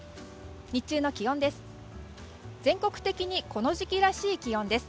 日中の気温です。